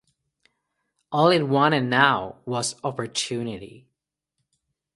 All it wanted now was opportunity.